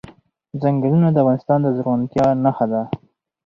ځنګلونه د افغانستان د زرغونتیا نښه ده.